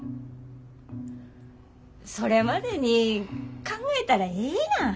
それまでに考えたらええやん。